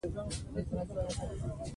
چې ښکته پورته ورته کېږم -